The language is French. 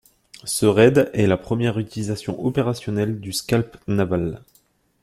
Ce raid est la première utilisation opérationnelle du Scalp Naval.